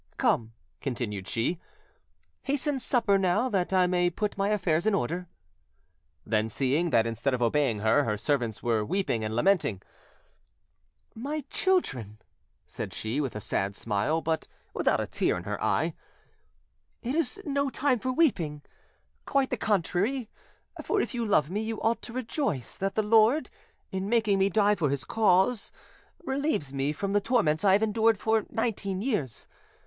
Come," continued she, "hasten supper now, that I may put my affairs in order". Then, seeing that instead of obeying her, her servants were weeping and lamenting, "My children," said she, with a sad smile, but without a tear in her eye, "it is no time for weeping, quite the contrary; for if you love me, you ought to rejoice that the Lord, in making me die for His cause, relieves me from the torments I have endured for nineteen years.